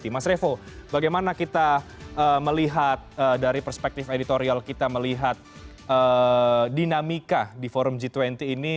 mas revo bagaimana kita melihat dari perspektif editorial kita melihat dinamika di forum g dua puluh ini